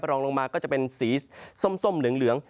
รองลงมาก็จะเป็นสีส้มเหลือง